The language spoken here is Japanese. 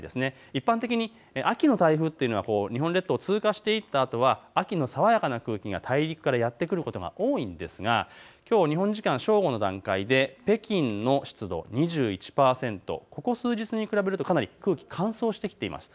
一般的に秋の台風は日本列島を通過していったあとは秋の爽やかな空気が大陸からやって来ることが多いんですが、きょう日本時間正午の段階で北京の湿度２１％、ここ数日に比べると空気がかなり乾燥してきています。